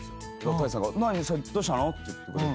太一さんが「どうしたの？」って言ってくれて。